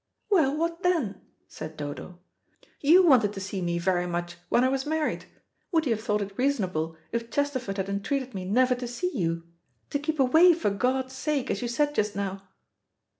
"Well, what then?" said Dodo. "You wanted to see me very much when I was married. Would you have thought it reasonable if Chesterford had entreated me never to see you to keep away for God's sake, as you said just now?"